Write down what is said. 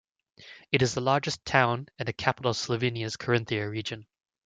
It is the largest town and the capital of Slovenia's Carinthia region.